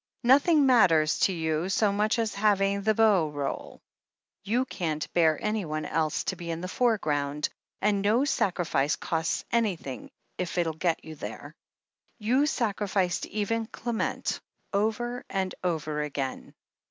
Nothing matters to you so much as having the beau role. You can't bear anyone else to be in the foreground, and no sacrifice costs any thing if it'll get you there. You sacrificed even Clem ent, over and over again."